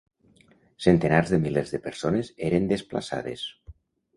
Centenars de milers de persones eren desplaçades.